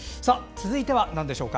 続いては、なんでしょうか？